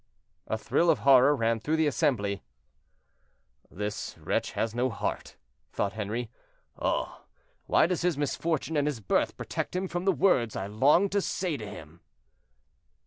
A thrill of horror ran through the assembly. "This wretch has no heart," thought Henri. "Oh! why does his misfortune and his birth protect him from the words I long to say to him?"